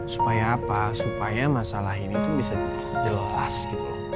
supaya apa supaya masalah ini tuh bisa jelas gitu loh